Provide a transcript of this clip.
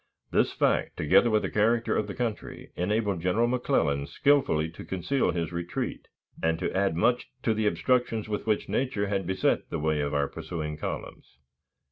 This fact, together with the character of the country, enabled General McClellan skillfully to conceal his retreat, and to add much to the obstructions with which nature had beset the way of our pursuing columns.